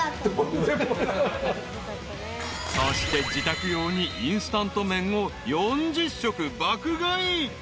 ［そして自宅用にインスタント麺を４０食爆買い］